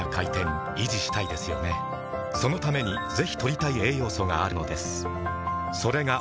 そのためにぜひ摂りたい栄養素があるのですそれが